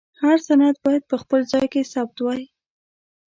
هر سند باید په خپل ځای کې ثبت وای.